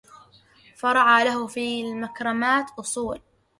فرع له في المكرمات أصول